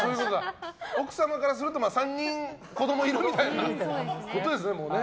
奥様からすると３人子供いるみたいなことですね。